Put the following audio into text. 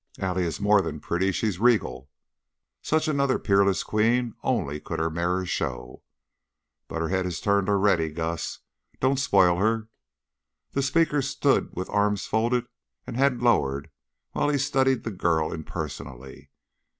"Allie is more then pretty, she's regal. 'Such another peerless queen only could her mirror show.' But her head is turned already, Gus. Don't spoil her." The speaker stood with arms folded and head lowered while he studied the girl impersonally.